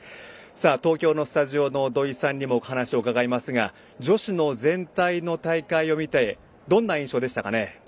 東京のスタジオの土居さんにもお話を伺いますが女子の全体の大会を見てどんな印象でしたかね？